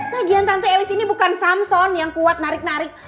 bagian tante elis ini bukan samson yang kuat narik narik